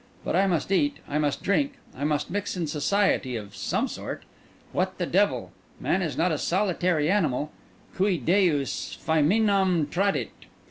But I must eat, I must drink, I must mix in society of some sort. What the devil! Man is not a solitary animal—Cui Deus fæminam tradit.